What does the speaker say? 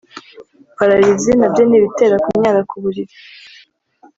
pararizi) nabyo ni ibitera kunyara ku buriri